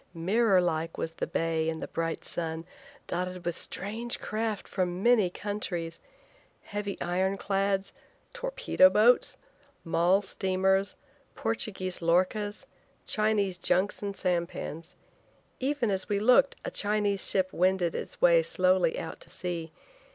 Mirror like was the bay in the bright sun, dotted with strange craft from many countries. Heavy iron clads, torpedo boats, mall steamers, Portuguese lorchas, Chinese junks and sampans. Even as we looked, a Chinese ship wended its way slowly out to sea.